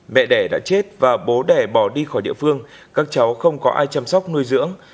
mẹ đẻ đã chết và bố đẻ bỏ đi khỏi địa phương các cháu không có ai chăm sóc nuôi dưỡng